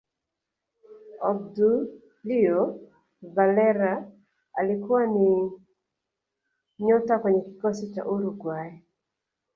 obdulio valera alikuwa ni nyota kwenye kikosi cha Uruguay